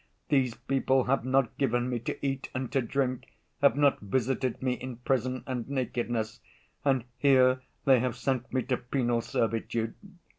These people have not given me to eat and to drink, have not visited me in prison and nakedness, and here they have sent me to penal servitude.